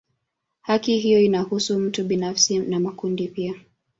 Haki hiyo inahusu mtu binafsi na makundi pia.